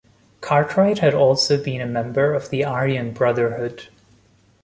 Cartwright had also been a member of the Aryan Brotherhood.